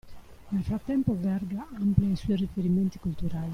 Nel frattempo Verga amplia i suoi riferimenti culturali.